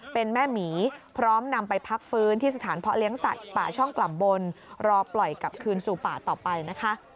เป็นแม่หมีพร้อมนำไปพักฟื้นที่สถานเพาะเลี้ยงสัตว์ป่าช่องกล่ำบนรอปล่อยกลับคืนสู่ป่าต่อไปนะคะ